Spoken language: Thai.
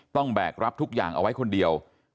แบกรับทุกอย่างเอาไว้คนเดียว